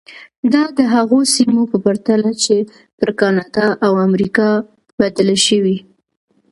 دا د هغو سیمو په پرتله چې پر کاناډا او امریکا بدلې شوې.